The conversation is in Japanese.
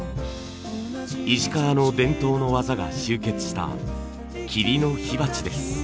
石川の伝統の技が集結した桐の火鉢です。